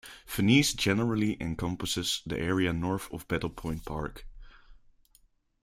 Venice generally encompasses the area north of Battle Point Park.